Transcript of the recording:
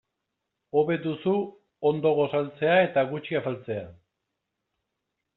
Hobe duzu ondo gosaltzea eta gutxi afaltzea.